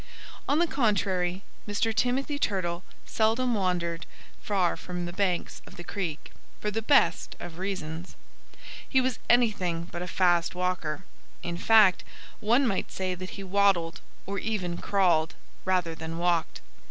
On the contrary, Mr. Timothy Turtle seldom wandered far from the banks of the creek for the best of reasons. He was anything but a fast walker. In fact, one might say that he waddled, or even crawled, rather than walked.